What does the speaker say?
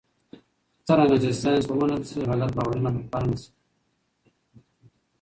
څرنګه چې ساینس ومنل شي، غلط باورونه به خپاره نه شي.